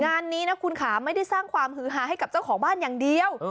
งานนี้ครูขาไม่ได้ทรงความฮือฮาความใจให้เจ้าของบ้านอย่างเดียว